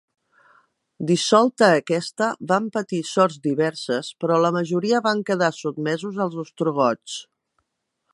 Dissolta aquesta, van patir sorts diverses, però la majoria van quedar sotmesos als ostrogots.